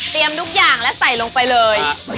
เตรียมทุกอย่างแล้วใส่ลงไปเลย